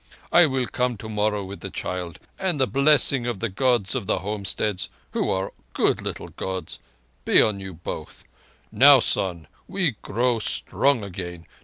I will come tomorrow with the child; and the blessing of the Gods of the Homesteads—who are good little Gods—be on you both ... Now, son, we grow strong again.